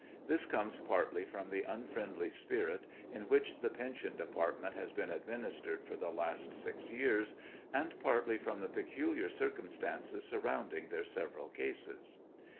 This comes partly from the unfriendly spirit in which the pension department has been ad ministered for the last six 5^ears, and partly from the peculiar circumstances surrounding their several cases.